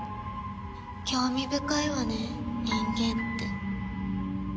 興味深いわね人間って。